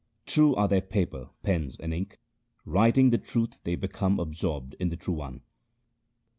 True are their paper, pens, and ink ; writing the truth they become absorbed in the True One.